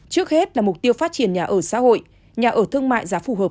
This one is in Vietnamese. trước hết là mục tiêu phát triển nhà ở xã hội nhà ở thương mại giá phù hợp